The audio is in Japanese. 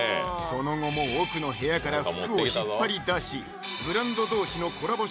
その後も奥の部屋から服を引っ張り出しブランド同士のコラボ